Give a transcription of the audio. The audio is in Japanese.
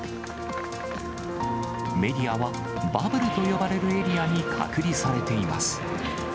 メディアはバブルと呼ばれるエリアに隔離されています。